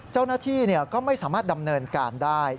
เจ้าหน้าที่ก็ไม่สามารถดำเนินการได้